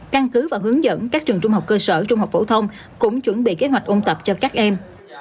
căn cứ và hướng dẫn các trường trung học cơ sở trung học phổ thông cũng chuẩn bị kế hoạch ôn tập cho các em